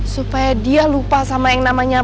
supaya dia lupa sama yang namanya